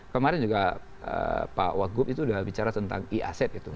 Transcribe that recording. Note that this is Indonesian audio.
kemarin juga pak wagub itu sudah bicara tentang e aset gitu